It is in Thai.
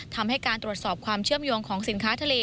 ทำให้การตรวจสอบความเชื่อมโยงของสินค้าทะเล